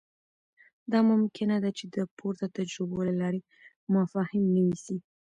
دا ممکنه ده چې د پورته تجربو له لارې مفاهیم نوي سي.